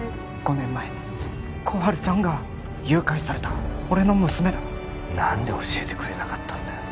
５年前心春ちゃんが誘拐された俺の娘だ何で教えてくれなかったんだよ